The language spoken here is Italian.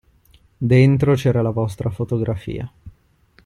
Dentro c'era la vostra fotografia.